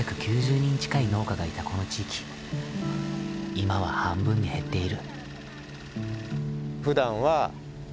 今は半分に減っている。